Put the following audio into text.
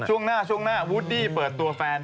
ช่วงหน้าช่วงหน้าวูดดี้เปิดตัวแฟน